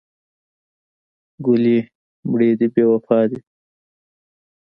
ګلې مړې دې بې وفا دي.